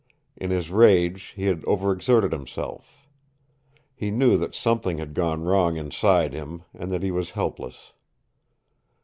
In his rage he had overexerted himself. He knew that something had gone wrong inside him and that he was helpless.